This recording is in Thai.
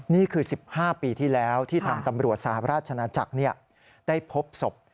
นี่คือ๑๕ปีที่แล้วที่ทางตำรวจสหราชนาจักรได้พบศพ